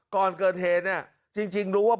ก่อนเกิดเหตุเนี่ยจริงรู้ว่า